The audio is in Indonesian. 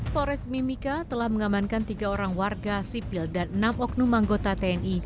pores mimika telah mengamankan tiga orang warga sipil dan enam oknum anggota tni